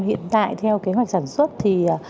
hiện tại theo kế hoạch sản xuất